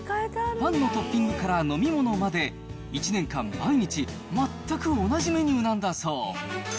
パンのトッピングから飲み物まで、１年間毎日、全く同じメニューなんだそう。